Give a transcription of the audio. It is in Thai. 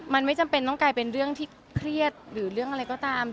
มันไม่จำเป็นต้องกลายเป็นเรื่องที่เครียดหรือเรื่องอะไรก็ตาม